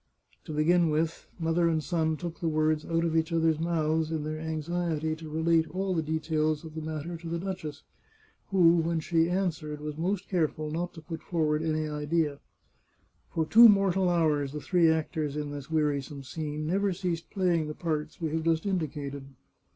To begin with, mother and son took the words out of each other's mouth in their anxiety to relate all the details of the matter to the duchess, who, when she an swered, was most careful not to put forward any idea. For two mortal hours the three actors in this wearisome scene never ceased playing the parts we have just indicated.